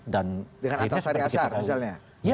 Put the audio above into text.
dengan atas harga asar misalnya